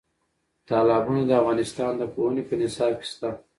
تالابونه د افغانستان د پوهنې په نصاب کې شته.